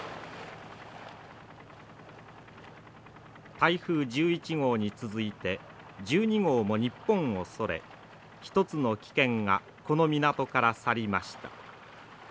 台風１１号に続いて１２号も日本をそれ一つの危険がこの港から去りました。